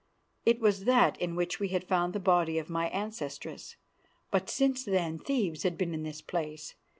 It was that in which we had found the body of my ancestress; but since then thieves had been in this place.